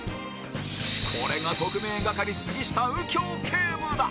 これが特命係杉下右京警部だ